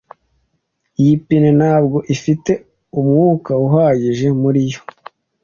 Iyi pine ntabwo ifite umwuka uhagije muri yo.